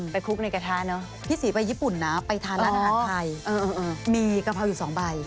พี่สีไปญี่ปุ่นนะไปท้าน้านอาหารไทยมีกะเพราอยู่สองใบ